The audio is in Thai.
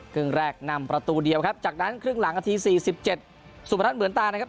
ครึ่งแรกนำประตูเดียวครับจากนั้นครึ่งหลังนาที๔๗สุพนัทเหมือนตานะครับ